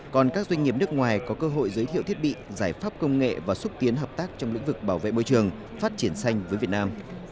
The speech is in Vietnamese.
còn các doanh nghiệp nước ngoài có cơ hội giới thiệu thiết bị giải pháp công nghệ và xúc tiến hợp tác trong lĩnh vực bảo vệ môi trường phát triển xanh với việt nam